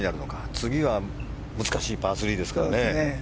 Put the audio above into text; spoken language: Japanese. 次は難しいパー３ですからね。